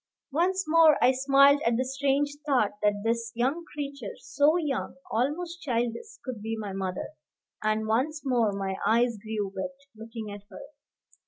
Once more I smiled at the strange thought that this young creature so young, almost childish could be my mother; and once more my eyes grew wet looking at her.